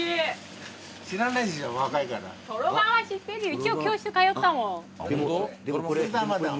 一応教室通ったもん。